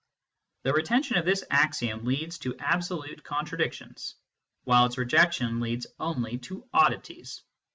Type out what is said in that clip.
The retention of this axiom leads to absolute contra dictions, while its rejection leads only to oddities.